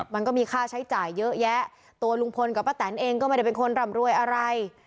มันก็มีค่าใช้จ่ายเยอะแยะตัวลุงพลกับป้าแตนเองก็ไม่ได้เป็นคนร่ำรวยอะไร